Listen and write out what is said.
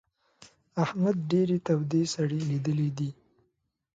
احمد ډېرې تودې سړې ليدلې دي.